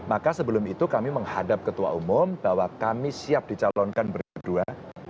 maka sebelum itu kami menghadap ketua umum bahwa kami siap dicalonkan berdua